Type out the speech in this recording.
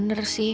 orang bener sih